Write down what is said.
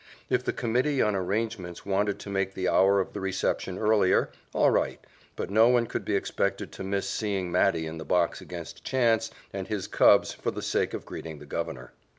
If the committee on arrangements wanted to make the hour of the reception earlier, all right, but no one could be expected to miss seeing Matty in the box against Chance and his Cubs for the sake of greeting the Governor.